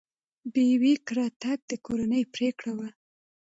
ببۍ کره تګ د کورنۍ پرېکړه وه.